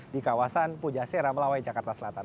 di kawasan pujase ramlawai jakarta selatan